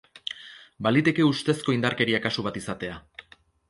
Baliteke ustezko indarkeria kasu bat izatea.